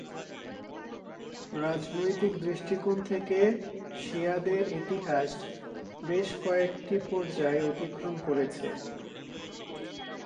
রাজনৈতিক দৃষ্টিকোণ থেকে শিয়াদের ইতিহাস বেশ কয়েকটি পর্যায় অতিক্রম করেছে।